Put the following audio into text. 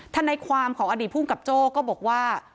ทนายความของอดีตภูมิกับโจ้ก็บอกว่า